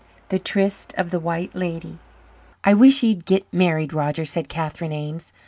The Tryst of the White Lady "I wisht ye'd git married, Roger," said Catherine Ames.